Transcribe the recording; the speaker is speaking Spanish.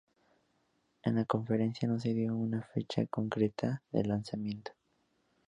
En la conferencia no se dio una fecha concreta del lanzamiento.